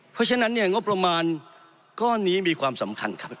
เพราะฉะนั้นเนี่ยงบประมาณก้อนนี้มีความสำคัญครับ